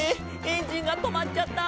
エンジンがとまっちゃった！」